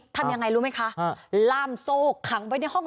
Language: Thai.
ทำยังไงรู้ไหมคะล่ามโซ่ขังไว้ในห้อง